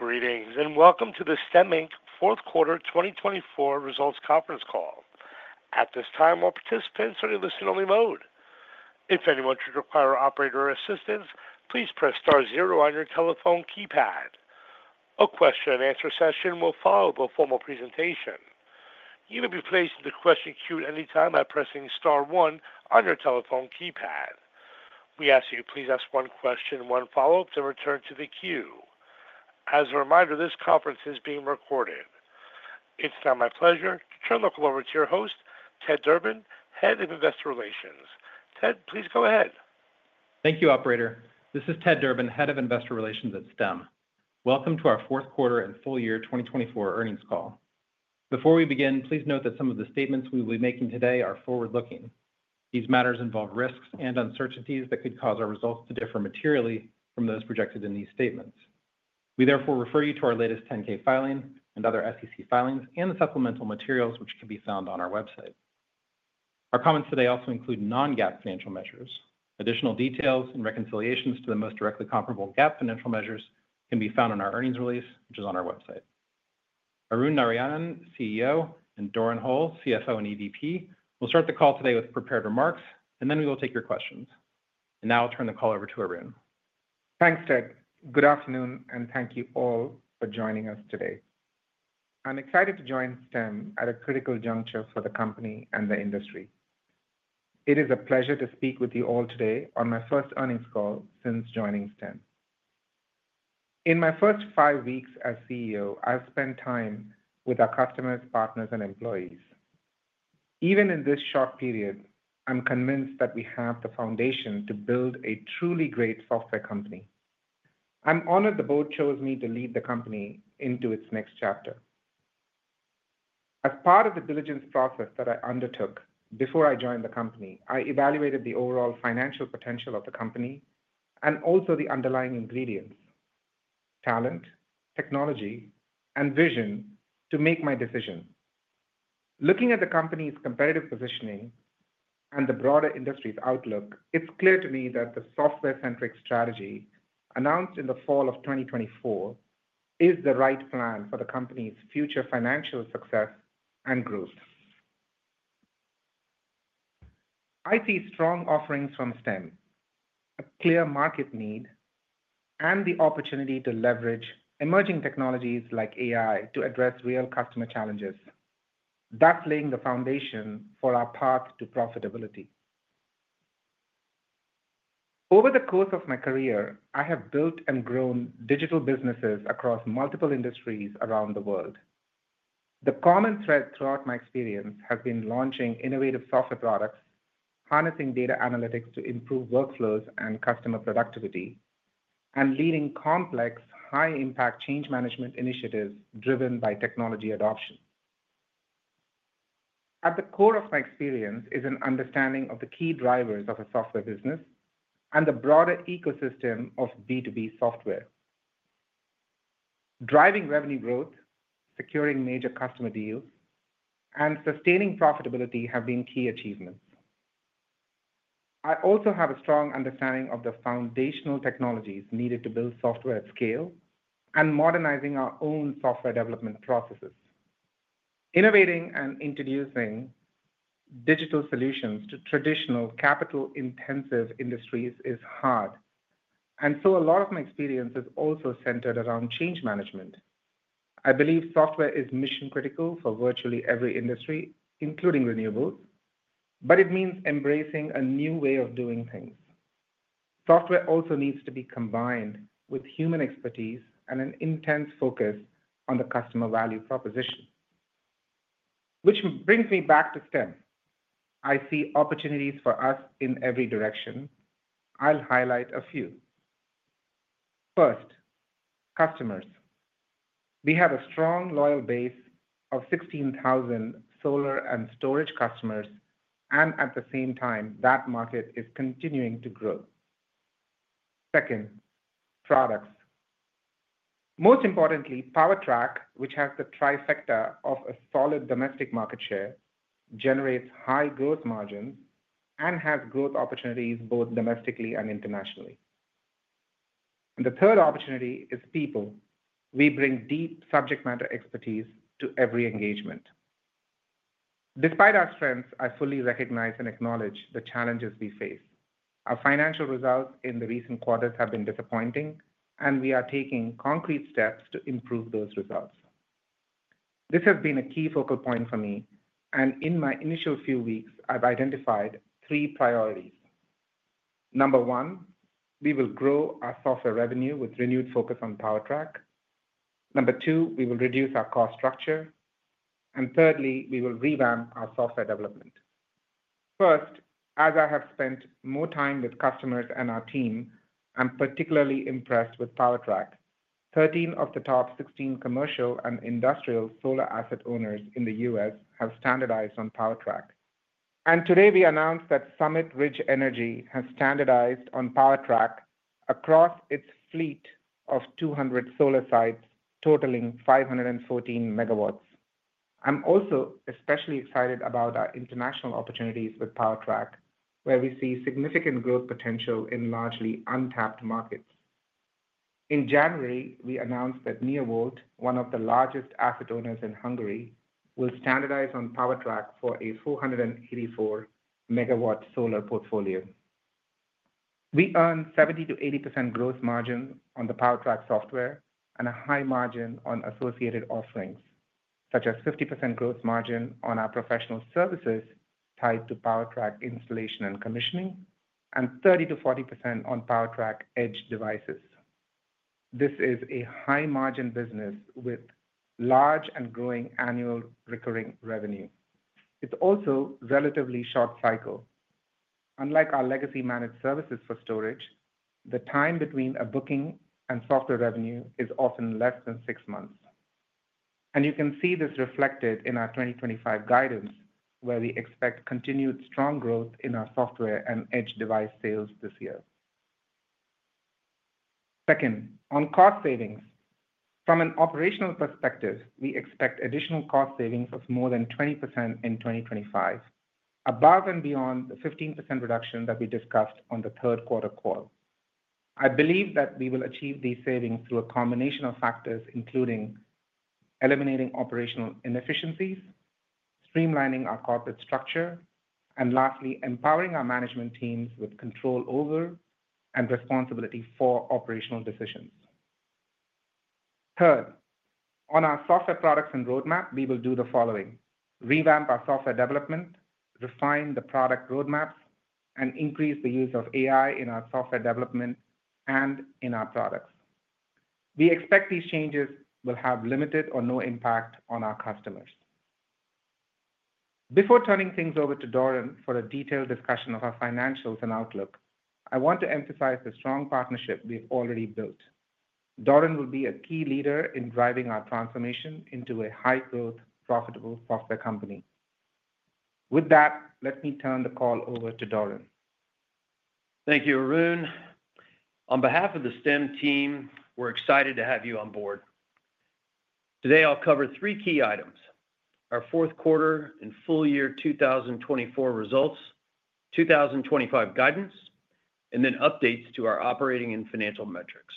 Greetings and welcome to the Stem fourth quarter 2024 results conference call. At this time, all participants are in listen-only mode. If anyone should require operator assistance, please press star zero on your telephone keypad. A question-and-answer session will follow the formal presentation. You may be placed into question queue at any time by pressing star one on your telephone keypad. We ask that you please ask one question, one follow-up, then return to the queue. As a reminder, this conference is being recorded. It's now my pleasure to turn the call over to your host, Ted Durbin, Head of Investor Relations. Ted, please go ahead. Thank you, Operator. This is Ted Durbin, head of investor relations at Stem. Welcome to our fourth quarter and full year 2024 earnings call. Before we begin, please note that some of the statements we will be making today are forward-looking. These matters involve risks and uncertainties that could cause our results to differ materially from those projected in these statements. We therefore refer you to our latest 10-K filing and other SEC filings and the supplemental materials which can be found on our website. Our comments today also include non-GAAP financial measures. Additional details and reconciliations to the most directly comparable GAAP financial measures can be found on our earnings release, which is on our website. Arun Narayanan, CEO, and Doran Hole, CFO and EVP, will start the call today with prepared remarks, and we will take your questions. Now I'll turn the call over to Arun. Thanks, Ted. Good afternoon, and thank you all for joining us today. I'm excited to join Stem at a critical juncture for the company and the industry. It is a pleasure to speak with you all today on my first earnings call since joining Stem. In my first five weeks as CEO, I've spent time with our customers, partners, and employees. Even in this short period, I'm convinced that we have the foundation to build a truly great software company. I'm honored the board chose me to lead the company into its next chapter. As part of the diligence process that I undertook before I joined the company, I evaluated the overall financial potential of the company and also the underlying ingredients: talent, technology, and vision to make my decision. Looking at the company's competitive positioning and the broader industry's outlook, it's clear to me that the software-centric strategy announced in the fall of 2024 is the right plan for the company's future financial success and growth. I see strong offerings from Stem, a clear market need, and the opportunity to leverage emerging technologies like AI to address real customer challenges, thus laying the foundation for our path to profitability. Over the course of my career, I have built and grown digital businesses across multiple industries around the world. The common thread throughout my experience has been launching innovative software products, harnessing data analytics to improve workflows and customer productivity, and leading complex, high-impact change management initiatives driven by technology adoption. At the core of my experience is an understanding of the key drivers of a software business and the broader ecosystem of B2B software. Driving revenue growth, securing major customer deals, and sustaining profitability have been key achievements. I also have a strong understanding of the foundational technologies needed to build software at scale and modernizing our own software development processes. Innovating and introducing digital solutions to traditional capital-intensive industries is hard, and a lot of my experience is also centered around change management. I believe software is mission-critical for virtually every industry, including renewables, but it means embracing a new way of doing things. Software also needs to be combined with human expertise and an intense focus on the customer value proposition, which brings me back to Stem. I see opportunities for us in every direction. I'll highlight a few. First, customers. We have a strong, loyal base of 16,000 solar and storage customers, and at the same time, that market is continuing to grow. Second, products. Most importantly, PowerTrack, which has the trifecta of a solid domestic market share, generates high gross margins and has growth opportunities both domestically and internationally. The third opportunity is people. We bring deep subject matter expertise to every engagement. Despite our strengths, I fully recognize and acknowledge the challenges we face. Our financial results in the recent quarters have been disappointing, and we are taking concrete steps to improve those results. This has been a key focal point for me, and in my initial few weeks, I've identified three priorities. Number one, we will grow our software revenue with renewed focus on PowerTrack. Number two, we will reduce our cost structure. Thirdly, we will revamp our software development. First, as I have spent more time with customers and our team, I'm particularly impressed with PowerTrack. 13 of the top 16 commercial and industrial solar asset owners in the U.S. have standardized on PowerTrack. Today, we announced that Summit Ridge Energy has standardized on PowerTrack across its fleet of 200 solar sites, totaling 514 megawatts. I'm also especially excited about our international opportunities with PowerTrack, where we see significant growth potential in largely untapped markets. In January, we announced that Nofar, one of the largest asset owners in Hungary, will standardize on PowerTrack for a 484-megawatt solar portfolio. We earn 70%-80% gross margin on the PowerTrack software and a high margin on associated offerings, such as 50% gross margin on our professional services tied to PowerTrack installation and commissioning, and 30%-40% on PowerTrack edge devices. This is a high-margin business with large and growing annual recurring revenue. It's also relatively short-cycle. Unlike our legacy managed services for storage, the time between a booking and software revenue is often less than six months. You can see this reflected in our 2025 guidance, where we expect continued strong growth in our software and edge device sales this year. Second, on cost savings. From an operational perspective, we expect additional cost savings of more than 20% in 2025, above and beyond the 15% reduction that we discussed on the third quarter call. I believe that we will achieve these savings through a combination of factors, including eliminating operational inefficiencies, streamlining our corporate structure, and lastly, empowering our management teams with control over and responsibility for operational decisions. Third, on our software products and roadmap, we will do the following: revamp our software development, refine the product roadmaps, and increase the use of AI in our software development and in our products. We expect these changes will have limited or no impact on our customers. Before turning things over to Doran for a detailed discussion of our financials and outlook, I want to emphasize the strong partnership we've already built. Doran will be a key leader in driving our transformation into a high-growth, profitable software company. With that, let me turn the call over to Doran. Thank you, Arun. On behalf of the Stem team, we're excited to have you on board. Today, I'll cover three key items: our fourth quarter and full year 2024 results, 2025 guidance, and then updates to our operating and financial metrics.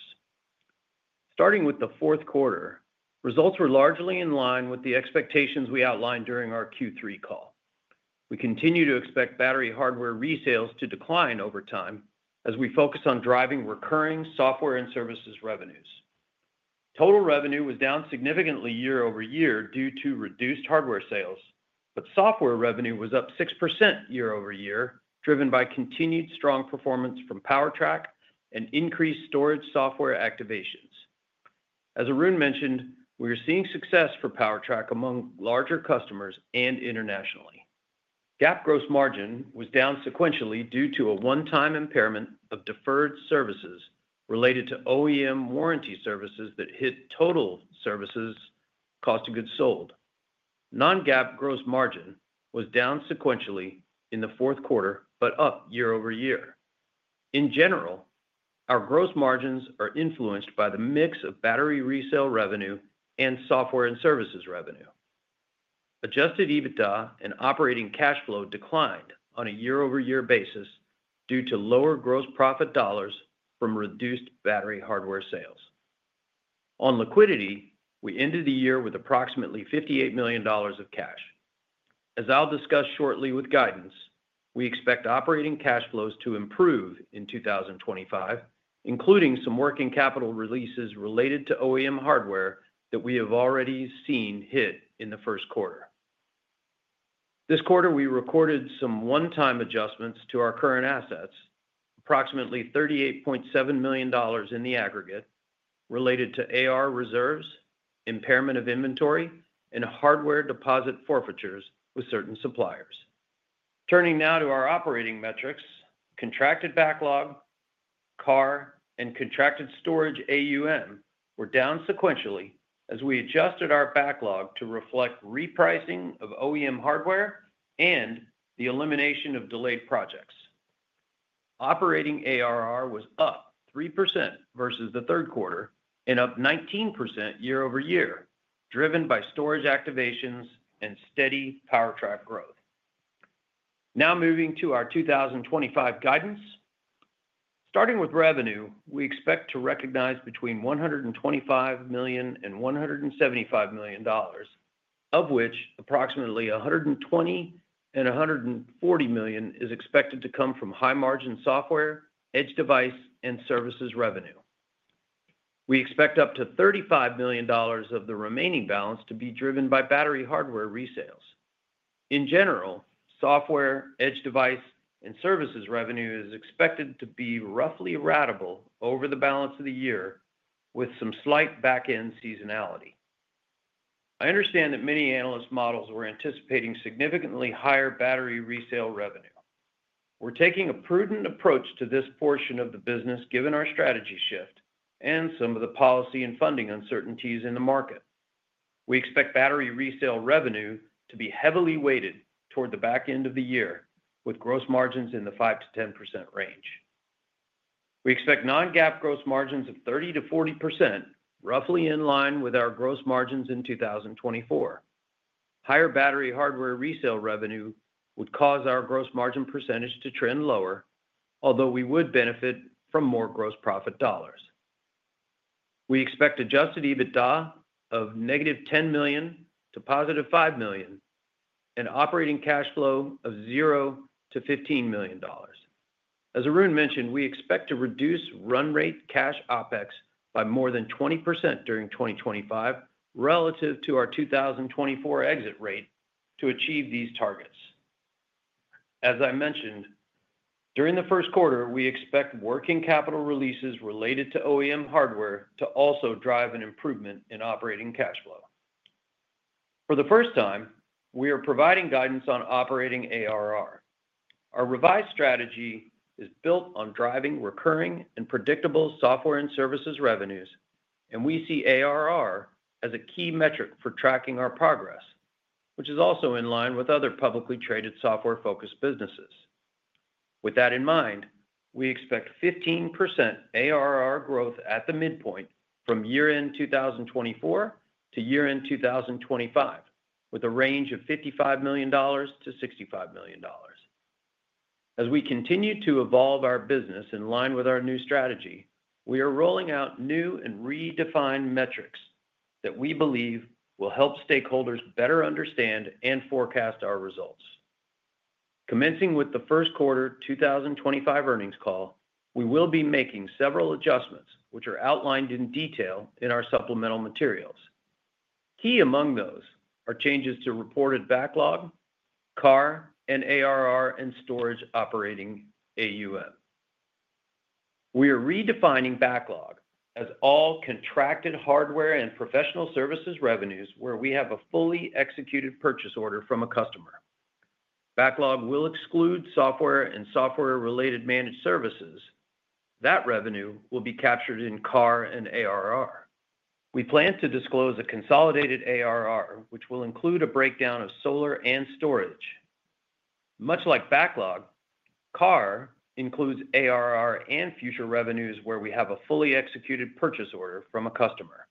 Starting with the fourth quarter, results were largely in line with the expectations we outlined during our Q3 call. We continue to expect battery hardware resales to decline over time as we focus on driving recurring software and services revenues. Total revenue was down significantly year-over-year due to reduced hardware sales, but software revenue was up 6% year-over-year, driven by continued strong performance from PowerTrack and increased storage software activations. As Arun mentioned, we are seeing success for PowerTrack among larger customers and internationally. GAAP gross margin was down sequentially due to a one-time impairment of deferred services related to OEM warranty services that hit total services cost of goods sold. non-GAAP gross margin was down sequentially in the fourth quarter, but up year-over-year. In general, our gross margins are influenced by the mix of battery resale revenue and software and services revenue. Adjusted EBITDA and operating cash flow declined on a year-over-year basis due to lower gross profit dollars from reduced battery hardware sales. On liquidity, we ended the year with approximately $58 million of cash. As I'll discuss shortly with guidance, we expect operating cash flows to improve in 2025, including some working capital releases related to OEM hardware that we have already seen hit in the first quarter. This quarter, we recorded some one-time adjustments to our current assets, approximately $38.7 million in the aggregate, related to AR reserves, impairment of inventory, and hardware deposit forfeitures with certain suppliers. Turning now to our operating metrics, contracted backlog, CAR, and contracted storage AUM were down sequentially as we adjusted our backlog to reflect repricing of OEM hardware and the elimination of delayed projects. Operating ARR was up 3% versus the third quarter and up 19% year-over-year, driven by storage activations and steady PowerTrack growth. Now moving to our 2025 guidance. Starting with revenue, we expect to recognize between $125 million and $175 million, of which approximately $120-$140 million is expected to come from high-margin software, edge device, and services revenue. We expect up to $35 million of the remaining balance to be driven by battery hardware resales. In general, software, edge device, and services revenue is expected to be roughly ratable over the balance of the year, with some slight back-end seasonality. I understand that many analyst models were anticipating significantly higher battery resale revenue. We're taking a prudent approach to this portion of the business, given our strategy shift and some of the policy and funding uncertainties in the market. We expect battery resale revenue to be heavily weighted toward the back end of the year, with gross margins in the 5%-10% range. We expect non-GAAP gross margins of 30%-40%, roughly in line with our gross margins in 2024. Higher battery hardware resale revenue would cause our gross margin percentage to trend lower, although we would benefit from more gross profit dollars. We expect adjusted EBITDA of negative $10 million to positive $5 million and operating cash flow of $0 to $15 million. As Arun mentioned, we expect to reduce run rate cash OPEX by more than 20% during 2025 relative to our 2024 exit rate to achieve these targets. As I mentioned, during the first quarter, we expect working capital releases related to OEM hardware to also drive an improvement in operating cash flow. For the first time, we are providing guidance on operating ARR. Our revised strategy is built on driving recurring and predictable software and services revenues, and we see ARR as a key metric for tracking our progress, which is also in line with other publicly traded software-focused businesses. With that in mind, we expect 15% ARR growth at the midpoint from year-end 2024 to year-end 2025, with a range of $55 million-$65 million. As we continue to evolve our business in line with our new strategy, we are rolling out new and redefined metrics that we believe will help stakeholders better understand and forecast our results. Commencing with the first quarter 2025 earnings call, we will be making several adjustments, which are outlined in detail in our supplemental materials. Key among those are changes to reported backlog, CAR, and ARR and storage operating AUM. We are redefining backlog as all contracted hardware and professional services revenues where we have a fully executed purchase order from a customer. Backlog will exclude software and software-related managed services. That revenue will be captured in CAR and ARR. We plan to disclose a consolidated ARR, which will include a breakdown of solar and storage. Much like backlog, CAR includes ARR and future revenues where we have a fully executed purchase order from a customer.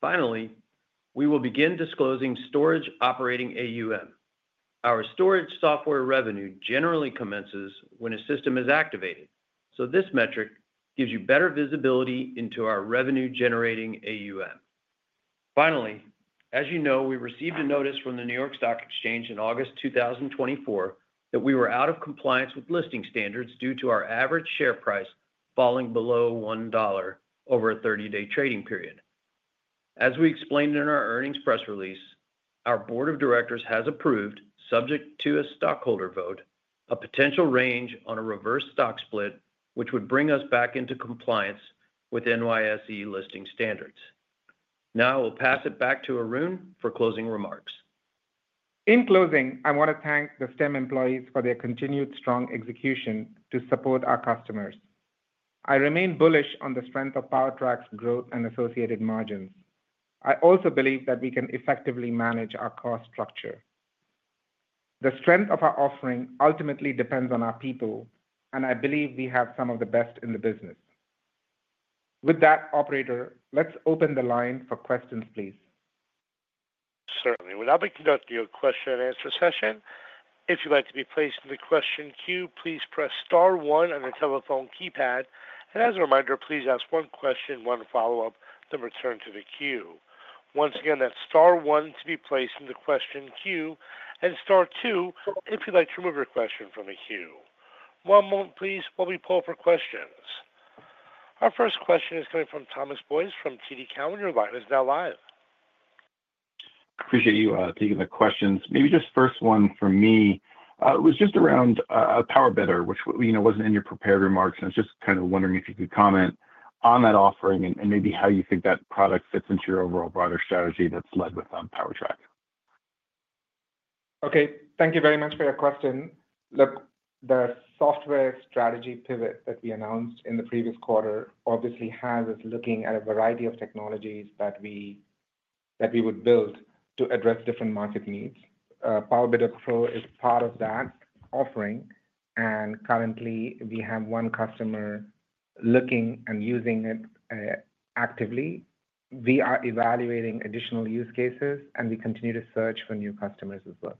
Finally, we will begin disclosing storage operating AUM. Our storage software revenue generally commences when a system is activated, so this metric gives you better visibility into our revenue-generating AUM. Finally, as you know, we received a notice from the New York Stock Exchange in August 2024 that we were out of compliance with listing standards due to our average share price falling below $1 over a 30-day trading period. As we explained in our earnings press release, our board of directors has approved, subject to a stockholder vote, a potential range on a reverse stock split, which would bring us back into compliance with NYSE listing standards. Now I will pass it back to Arun for closing remarks. In closing, I want to thank the Stem employees for their continued strong execution to support our customers. I remain bullish on the strength of PowerTrack's growth and associated margins. I also believe that we can effectively manage our cost structure. The strength of our offering ultimately depends on our people, and I believe we have some of the best in the business. With that, Operator, let's open the line for questions, please. Certainly. We're now beginning the question and answer session. If you'd like to be placed in the question queue, please press star one on the telephone keypad. As a reminder, please ask one question, one follow-up, then return to the queue. Once again, that's star one to be placed in the question queue, and star two if you'd like to remove your question from the queue. One moment, please, while we pull up our questions. Our first question is coming from Thomas Boyes from TD Cowen, and your line is now live. Appreciate you taking the questions. Maybe just first one for me. It was just around PowerBidder, which wasn't in your prepared remarks, and I was just kind of wondering if you could comment on that offering and maybe how you think that product fits into your overall broader strategy that's led with PowerTrack. Okay. Thank you very much for your question. Look, the software strategy pivot that we announced in the previous quarter obviously has us looking at a variety of technologies that we would build to address different market needs. PowerBidder Pro is part of that offering, and currently, we have one customer looking and using it actively. We are evaluating additional use cases, and we continue to search for new customers as well.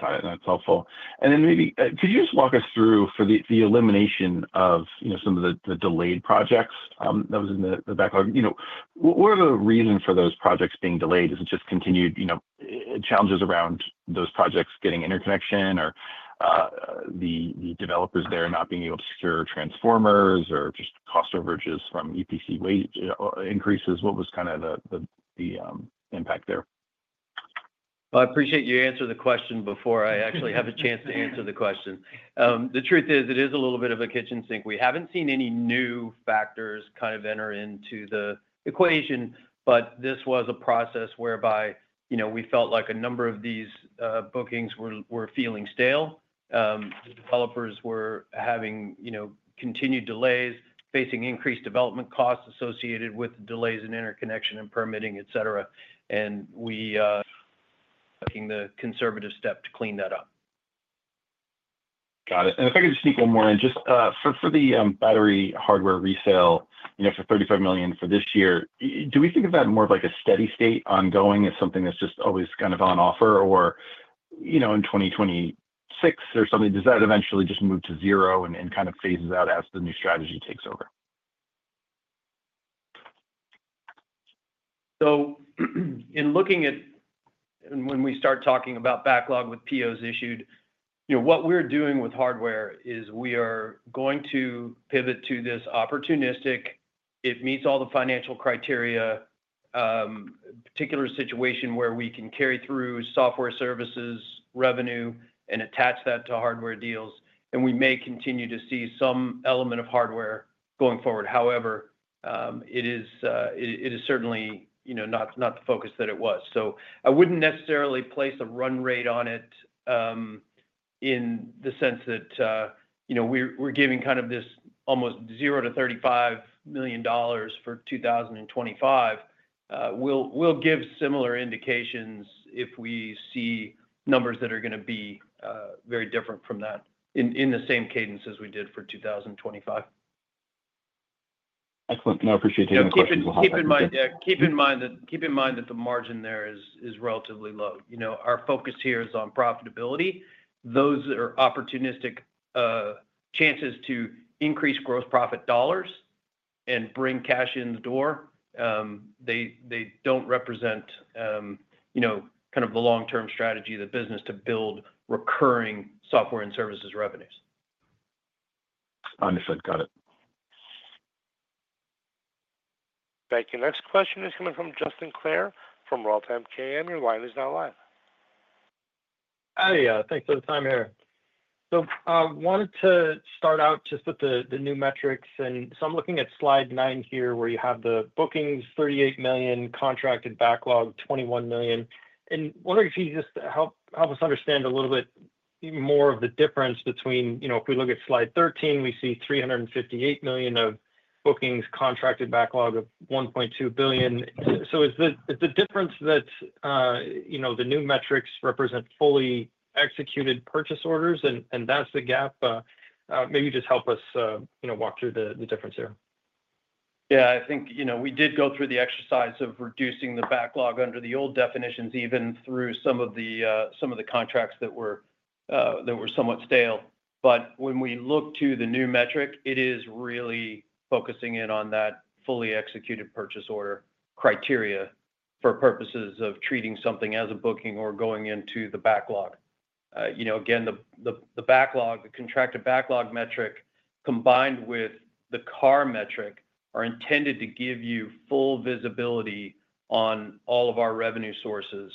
Got it. That's helpful. Maybe could you just walk us through for the elimination of some of the delayed projects that was in the backlog? What were the reasons for those projects being delayed? Is it just continued challenges around those projects getting interconnection or the developers there not being able to secure transformers or just cost overages from EPC rate increases? What was kind of the impact there? I appreciate you answering the question before I actually have a chance to answer the question. The truth is, it is a little bit of a kitchen sink. We haven't seen any new factors kind of enter into the equation, but this was a process whereby we felt like a number of these bookings were feeling stale. The developers were having continued delays, facing increased development costs associated with delays in interconnection and permitting, etc., and we took the conservative step to clean that up. Got it. If I could just sneak one more in, just for the battery hardware resale for $35 million for this year, do we think of that more of like a steady state ongoing as something that's just always kind of on offer, or in 2026 or something? Does that eventually just move to zero and kind of phase out as the new strategy takes over? In looking at when we start talking about backlog with POs issued, what we're doing with hardware is we are going to pivot to this opportunistic. It meets all the financial criteria, a particular situation where we can carry through software services revenue and attach that to hardware deals, and we may continue to see some element of hardware going forward. However, it is certainly not the focus that it was. I wouldn't necessarily place a run rate on it in the sense that we're giving kind of this almost $0-$35 million for 2025. We'll give similar indications if we see numbers that are going to be very different from that in the same cadence as we did for 2025. Excellent. No, I appreciate taking the question. Keep in mind that the margin there is relatively low. Our focus here is on profitability. Those are opportunistic chances to increase gross profit dollars and bring cash in the door. They don't represent kind of the long-term strategy of the business to build recurring software and services revenues. Understood. Got it. Thank you. Next question is coming from Justin Clare from Roth MKM. Your line is now live. Hi, yeah. Thanks for the time, Arun. I wanted to start out just with the new metrics. I'm looking at Slide 9 here, where you have the bookings, $38 million, contracted backlog, $21 million. I wonder if you could just help us understand a little bit more of the difference between if we look at Slide 13, we see $358 million of bookings, contracted backlog of $1.2 billion. Is the difference that the new metrics represent fully executed purchase orders, and that's the gap? Maybe just help us walk through the difference here. Yeah. I think we did go through the exercise of reducing the backlog under the old definitions, even through some of the contracts that were somewhat stale. When we look to the new metric, it is really focusing in on that fully executed purchase order criteria for purposes of treating something as a booking or going into the backlog. Again, the contracted backlog metric combined with the CAR metric are intended to give you full visibility on all of our revenue sources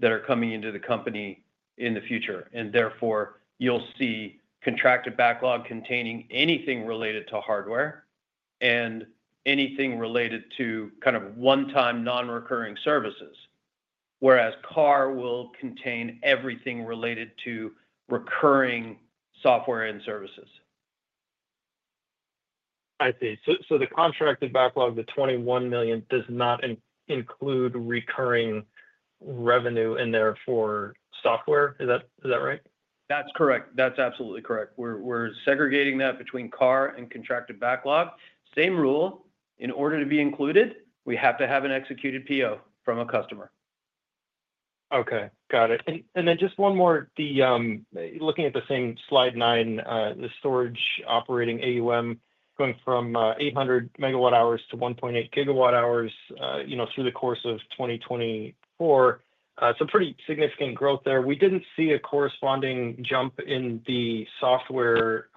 that are coming into the company in the future. Therefore, you'll see contracted backlog containing anything related to hardware and anything related to kind of one-time non-recurring services, whereas CAR will contain everything related to recurring software and services. I see. So the contracted backlog, the $21 million, does not include recurring revenue in there for software. Is that right? That's correct. That's absolutely correct. We're segregating that between CAR and contracted backlog. Same rule. In order to be included, we have to have an executed PO from a customer. Okay. Got it. Just one more. Looking at the same Slide 9, the storage operating AUM going from 800 megawatt hours to 1.8 gigawatt hours through the course of 2024, some pretty significant growth there. We did not see a corresponding jump in the software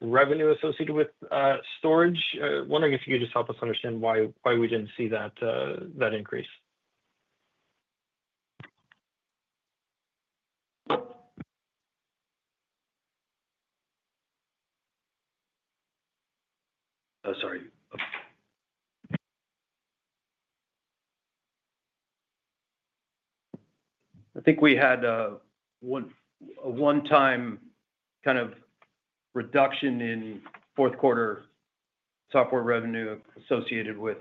revenue associated with storage. Wondering if you could just help us understand why we did not see that increase. Oh, sorry. I think we had a one-time kind of reduction in fourth quarter software revenue associated with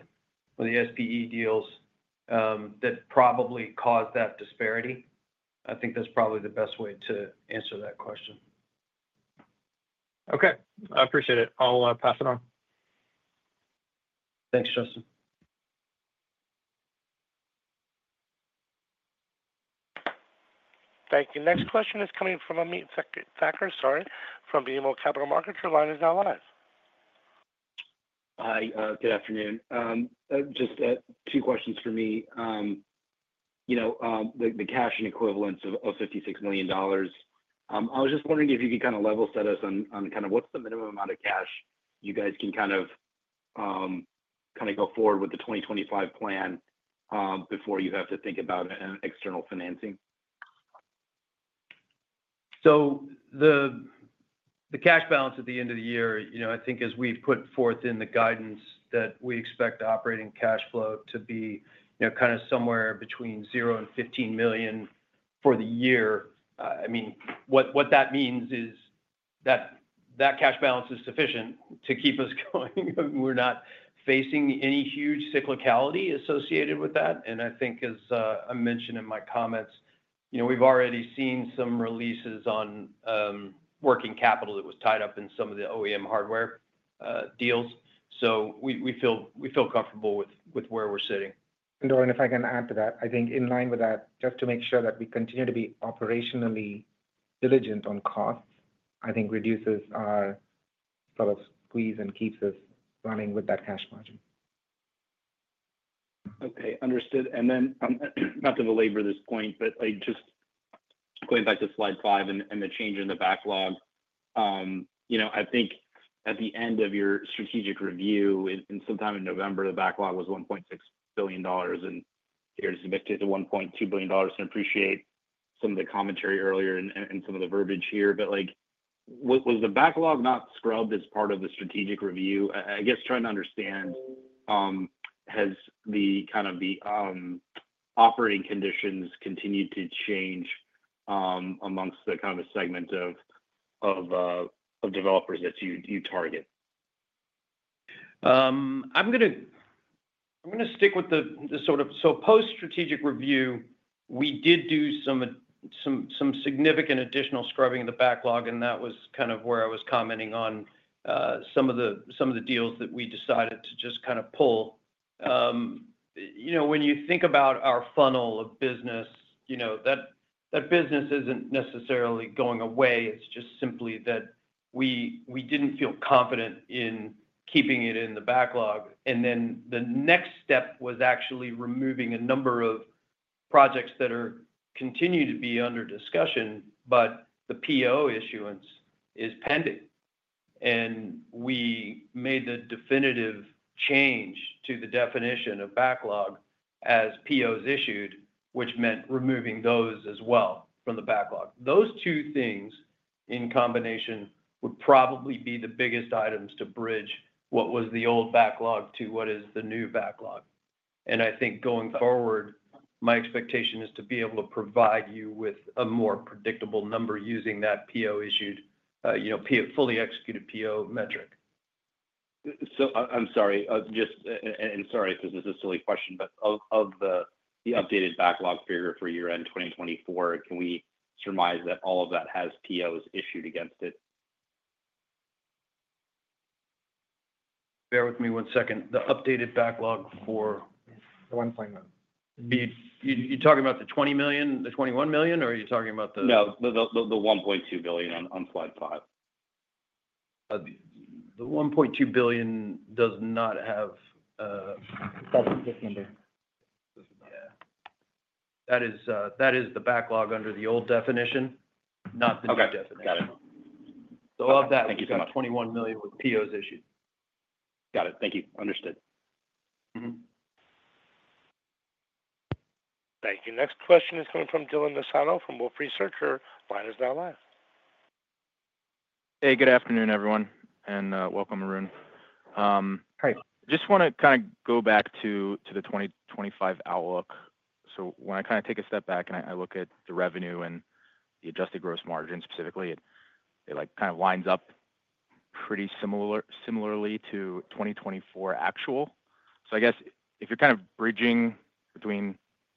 the SPE deals that probably caused that disparity. I think that's probably the best way to answer that question. Okay. I appreciate it. I'll pass it on. Thanks, Justin. Thank you. Next question is coming from Ameet Thakkar, sorry, from BMO Capital Markets. Your line is now live. Hi. Good afternoon. Just two questions for me. The cash and equivalents of $56 million. I was just wondering if you could kind of level set us on kind of what's the minimum amount of cash you guys can kind of go forward with the 2025 plan before you have to think about external financing. The cash balance at the end of the year, I think as we've put forth in the guidance that we expect operating cash flow to be kind of somewhere between $0 and $15 million for the year. I mean, what that means is that that cash balance is sufficient to keep us going. We're not facing any huge cyclicality associated with that. I think, as I mentioned in my comments, we've already seen some releases on working capital that was tied up in some of the OEM hardware deals. We feel comfortable with where we're sitting. Doran, if I can add to that, I think in line with that, just to make sure that we continue to be operationally diligent on costs, I think reduces our sort of squeeze and keeps us running with that cash margin. Okay. Understood. Not to belabor this point, just going back to Slide 5 and the change in the backlog, I think at the end of your strategic review, and sometime in November, the backlog was $1.6 billion, and here it's subjected to $1.2 billion. I appreciate some of the commentary earlier and some of the verbiage here, but was the backlog not scrubbed as part of the strategic review? I guess trying to understand, has kind of the operating conditions continued to change amongst the kind of segment of developers that you target? I'm going to stick with the sort of post-strategic review, we did do some significant additional scrubbing of the backlog, and that was kind of where I was commenting on some of the deals that we decided to just kind of pull. When you think about our funnel of business, that business isn't necessarily going away. It's just simply that we didn't feel confident in keeping it in the backlog. The next step was actually removing a number of projects that continue to be under discussion, but the PO issuance is pending. We made the definitive change to the definition of backlog as POs issued, which meant removing those as well from the backlog. Those two things in combination would probably be the biggest items to bridge what was the old backlog to what is the new backlog. I think going forward, my expectation is to be able to provide you with a more predictable number using that PO issued, fully executed PO metric. I'm sorry. Sorry if this is a silly question, but of the updated backlog figure for year-end 2024, can we surmise that all of that has POs issued against it? Bear with me one second. The updated backlog for. One second. You're talking about the $20 million, the $21 million, or are you talking about the? No, the $1.2 billion on Slide 5. The $1.2 billion does not have. That's the number. Yeah. That is the backlog under the old definition, not the new definition. Okay. Got it. Of that. Thank you so much. $21 million with POs issued. Got it. Thank you. Understood. Thank you. Next question is coming from Dylan Desai from Wolfe Research. Your line is now live. Hey, good afternoon, everyone, and welcome, Arun. Hi. Just want to kind of go back to the 2025 outlook. When I kind of take a step back and I look at the revenue and the adjusted gross margin specifically, it kind of lines up pretty similarly to 2024 actual. I guess if you're kind of bridging between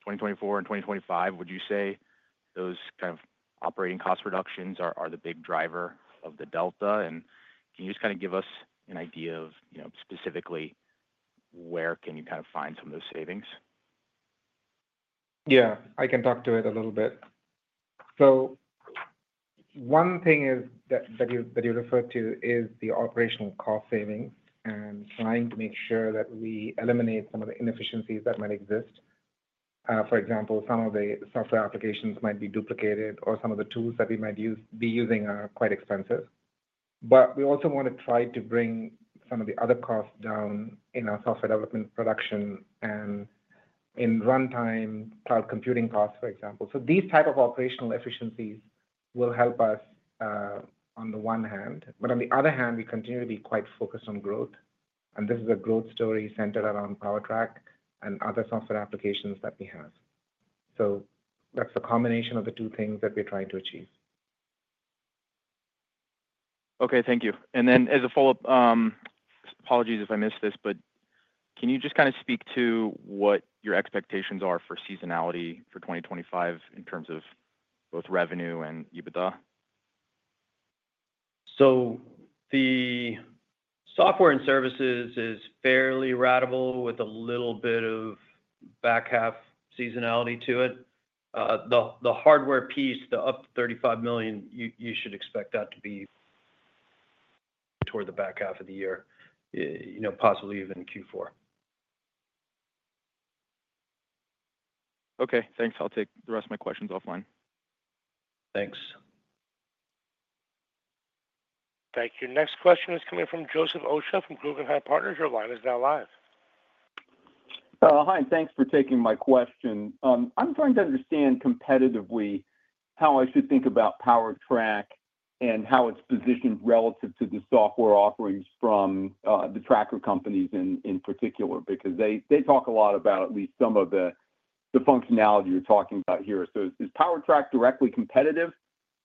2024 and 2025, would you say those kind of operating cost reductions are the big driver of the delta? Can you just kind of give us an idea of specifically where can you kind of find some of those savings? Yeah. I can talk to it a little bit. One thing that you referred to is the operational cost savings and trying to make sure that we eliminate some of the inefficiencies that might exist. For example, some of the software applications might be duplicated, or some of the tools that we might be using are quite expensive. We also want to try to bring some of the other costs down in our software development production and in runtime cloud computing costs, for example. These types of operational efficiencies will help us on the one hand. On the other hand, we continue to be quite focused on growth. This is a growth story centered around PowerTrack and other software applications that we have. That is the combination of the two things that we are trying to achieve. Okay. Thank you. As a follow-up, apologies if I missed this, but can you just kind of speak to what your expectations are for seasonality for 2025 in terms of both revenue and EBITDA? The software and services is fairly ratable with a little bit of back half seasonality to it. The hardware piece, the up to $35 million, you should expect that to be toward the back half of the year, possibly even Q4. Okay. Thanks. I'll take the rest of my questions offline. Thanks. Thank you. Next question is coming from Joseph Osha from Guggenheim Partners. Your line is now live. Hi. Thanks for taking my question. I'm trying to understand competitively how I should think about PowerTrack and how it's positioned relative to the software offerings from the tracker companies in particular because they talk a lot about at least some of the functionality you're talking about here. Is PowerTrack directly competitive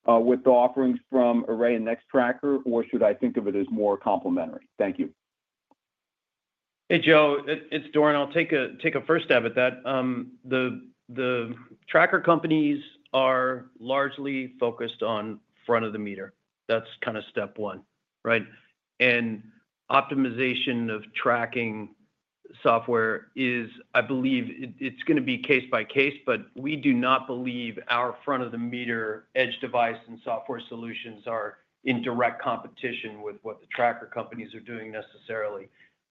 with the offerings from Array and Nextracker, or should I think of it as more complementary? Thank you. Hey, Joe. It's Doran. I'll take a first stab at that. The tracker companies are largely focused on front of the meter. That's kind of step one, right? And optimization of tracking software is, I believe it's going to be case by case, but we do not believe our front of the meter edge device and software solutions are in direct competition with what the tracker companies are doing necessarily.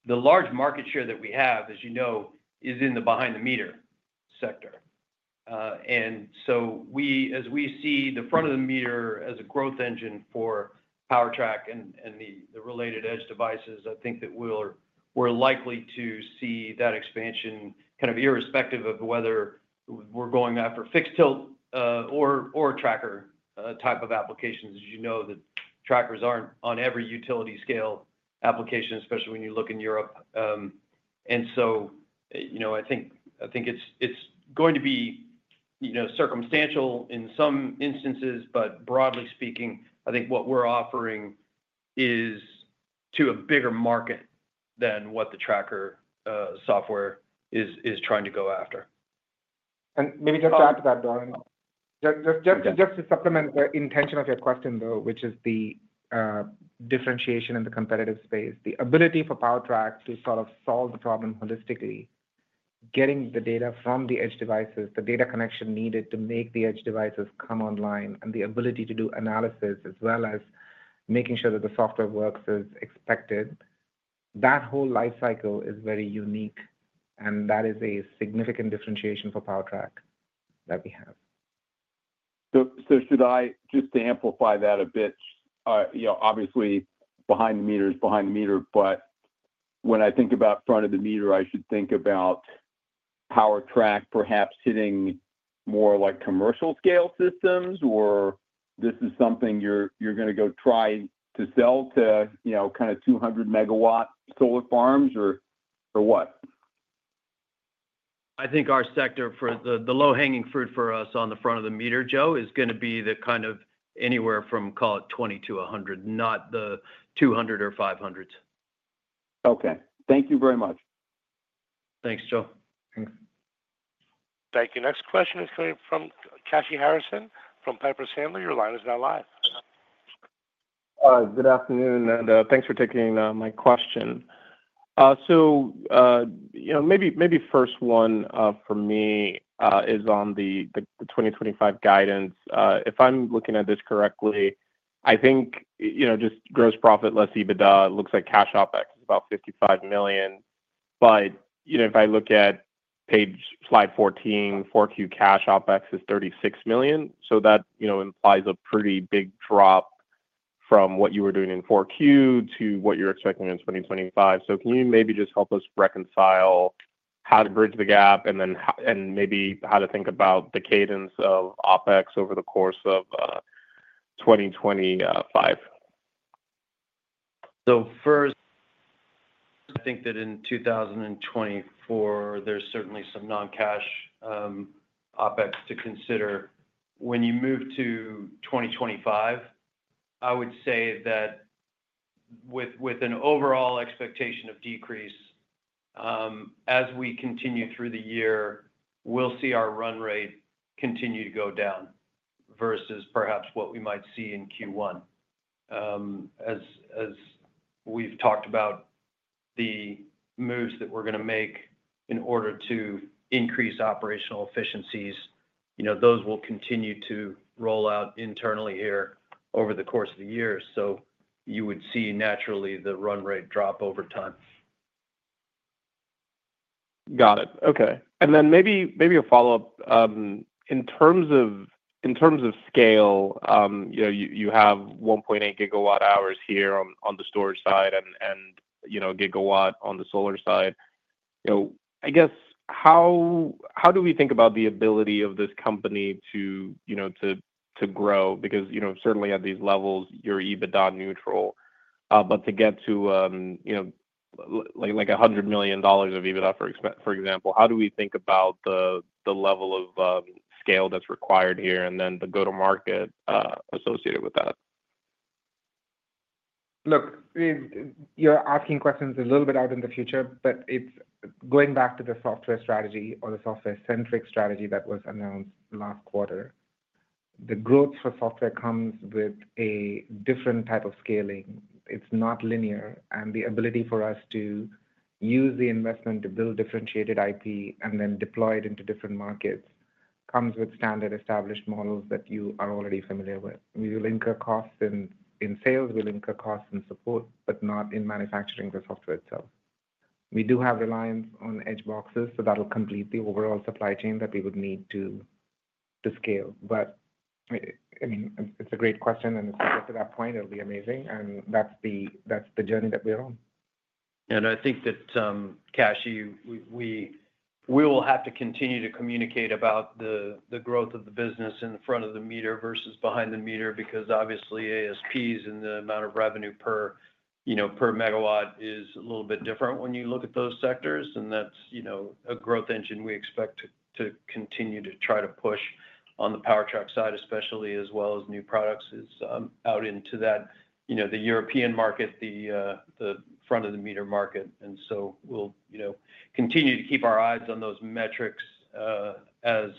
The large market share that we have, as you know, is in the behind-the-meter sector. As we see the front of the meter as a growth engine for PowerTrack and the related edge devices, I think that we're likely to see that expansion kind of irrespective of whether we're going after fixed tilt or tracker type of applications. As you know, the trackers aren't on every utility scale application, especially when you look in Europe. I think it's going to be circumstantial in some instances, but broadly speaking, I think what we're offering is to a bigger market than what the tracker software is trying to go after. Maybe just to add to that, Doran, just to supplement the intention of your question, though, which is the differentiation in the competitive space, the ability for PowerTrack to sort of solve the problem holistically, getting the data from the edge devices, the data connection needed to make the edge devices come online, and the ability to do analysis as well as making sure that the software works as expected, that whole life cycle is very unique. That is a significant differentiation for PowerTrack that we have. Should I, just to amplify that a bit, obviously, behind the meter is behind the meter, but when I think about front of the meter, I should think about PowerTrack perhaps hitting more like commercial scale systems, or this is something you're going to go try to sell to kind of 200 MW solar farms or what? I think our sector for the low-hanging fruit for us on the front of the meter, Joe, is going to be the kind of anywhere from, call it, 20-100, not the 200 or 500s. Okay. Thank you very much. Thanks, Joe. Thanks. Thank you. Next question is coming from Kashy Harrison from Piper Sandler. Your line is now live. Good afternoon, and thanks for taking my question. Maybe first one for me is on the 2025 guidance. If I'm looking at this correctly, I think just gross profit less EBITDA looks like cash OpEx is about $55 million. If I look at Slide 14, 4Q cash OpEx is $36 million. That implies a pretty big drop from what you were doing in 4Q to what you're expecting in 2025. Can you maybe just help us reconcile how to bridge the gap and maybe how to think about the cadence of OpEx over the course of 2025? First, I think that in 2024, there's certainly some non-cash OpEx to consider. When you move to 2025, I would say that with an overall expectation of decrease, as we continue through the year, we'll see our run rate continue to go down versus perhaps what we might see in Q1. As we've talked about, the moves that we're going to make in order to increase operational efficiencies, those will continue to roll out internally here over the course of the year. You would see naturally the run rate drop over time. Got it. Okay. Maybe a follow-up. In terms of scale, you have 1.8 gigawatt hours here on the storage side and gigawatt on the solar side. I guess how do we think about the ability of this company to grow? Because certainly at these levels, you're EBITDA neutral. To get to like $100 million of EBITDA, for example, how do we think about the level of scale that's required here and the go-to-market associated with that? Look, you're asking questions a little bit out in the future, but going back to the software strategy or the software-centric strategy that was announced last quarter, the growth for software comes with a different type of scaling. It's not linear. The ability for us to use the investment to build differentiated IP and then deploy it into different markets comes with standard established models that you are already familiar with. We will incur costs in sales, we'll incur costs in support, but not in manufacturing the software itself. We do have reliance on edge boxes, so that'll complete the overall supply chain that we would need to scale. I mean, it's a great question, and if we get to that point, it'll be amazing. That's the journey that we're on. I think that, Kashy, we will have to continue to communicate about the growth of the business in front of the meter versus behind the meter because obviously ASPs and the amount of revenue per megawatt is a little bit different when you look at those sectors. That is a growth engine we expect to continue to try to push on the PowerTrack side, especially as well as new products out into the European market, the front of the meter market. We will continue to keep our eyes on those metrics as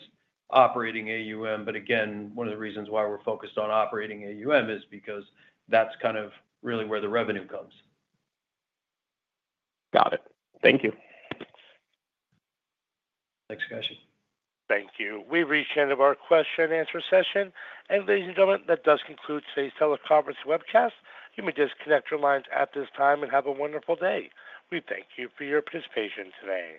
operating AUM. Again, one of the reasons why we're focused on operating AUM is because that's kind of really where the revenue comes. Got it. Thank you. Thanks, Kashy. Thank you. We've reached the end of our question-and-answer session. Ladies and gentlemen, that does conclude today's teleconference webcast. You may disconnect your lines at this time and have a wonderful day. We thank you for your participation today.